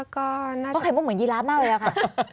เพราะไขมุกเหมือนยิราบมากเลยแล้วค่ะ